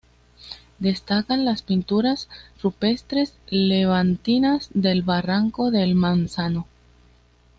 Destacan las Pinturas Rupestres levantinas del "barranco del Manzano".